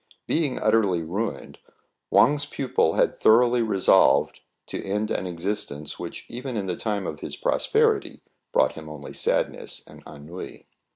Being ut terly ruined, Wang's pupil had thoroughly re solved to end an existence which even in the time of his prosperity brought him only sadness and ennui.